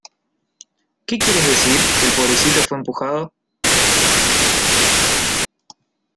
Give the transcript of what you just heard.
¿ Qué quieres decir? Que el pobrecito fue empujado...